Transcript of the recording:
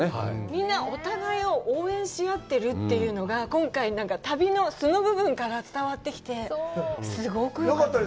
みんなお互いを応援し合ってるというのが、今回、旅の素の部分から伝わってきて、すごくよかった。